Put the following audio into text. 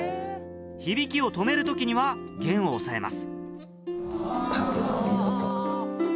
響きを止める時には弦を押さえます。